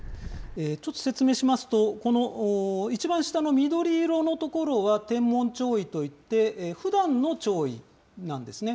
ちょっと説明しますと、この一番下の緑色の所は天文潮位といって、ふだんの潮位なんですね。